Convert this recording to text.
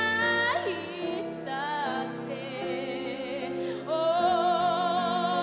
いつだって汪」